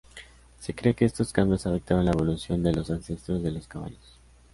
Se cree que estos cambios afectaron la evolución de los ancestros de los caballos.